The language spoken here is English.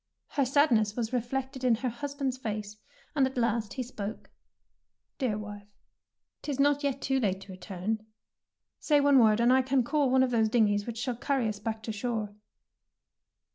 Her sadness was reflected in her husband's face, and at last he spoke. "Dear wife, ^tis not yet too late to return. Say one word, and I can call one of those dingeys which shall carry us back to shore."